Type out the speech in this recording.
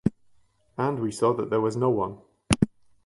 And we saw that there was no one.